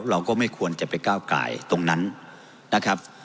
เราก็ไม่ควรจะไปก้าวกายตรงนั้นนะครับ